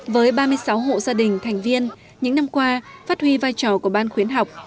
với ba mươi sáu hộ gia đình thành viên những năm qua phát huy vai trò của ban khuyến học